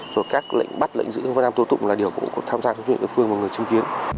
rồi các lệnh bắt lệnh giữ các phương án tố tụng là điều cũng có tham gia của chính quyền đội phương